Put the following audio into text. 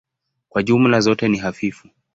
Kwa jumla zote ni hafifu.